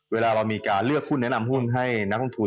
เวลาเรามีการเลือกหุ้นแนะนำหุ้นให้นักลงทุน